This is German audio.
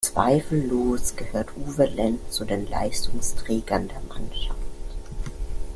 Zweifellos gehört Uwe Lendt zu den Leistungsträgern der Mannschaft.